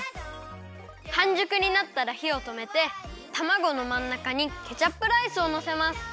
はんじゅくになったらひをとめてたまごのまんなかにケチャップライスをのせます。